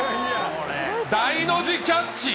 大の字キャッチ。